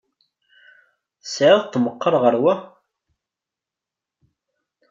Tesεiḍ-t meqqer ɣer wa?